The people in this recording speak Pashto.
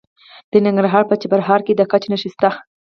د ننګرهار په چپرهار کې د ګچ نښې شته.